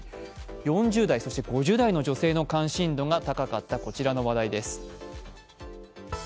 ４０代そして５０代の女性の関心度が高かった、こちらの話題です。